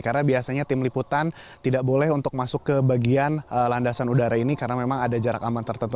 karena biasanya tim liputan tidak boleh untuk masuk ke bagian landasan udara ini karena memang ada jarak aman tertentu